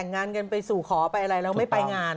นมปังไส้กรอกขายไม่ออกน่ะ